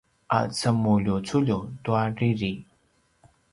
a cemuljuculju tua riri